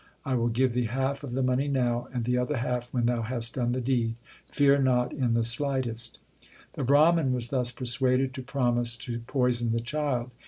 I will give thee half of the money now, and the other half when thou hast done the deed. Fear not in the slightest. The Brahman was thus persuaded to promise to poison the child.